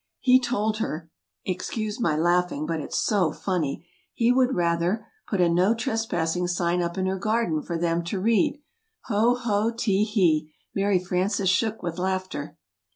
"He told her (excuse my laughing but it's so funny!) he would rather put a 'No Trespassing' sign up in her garden for them to read! Ho ho! Tee hee." Mary Frances shook with laughter.